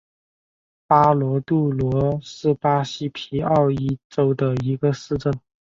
巴罗杜罗是巴西皮奥伊州的一个市镇。